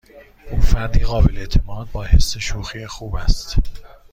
او فردی قابل اعتماد با حس شوخی خوب است.